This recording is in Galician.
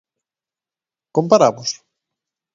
¿Comparamos?